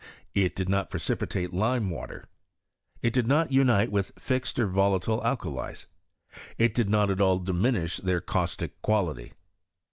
2. It did not precipitate lime water, 3. It did not unite with fixed or volatile alkalies. 4. It did not at all diminish their caustic quality.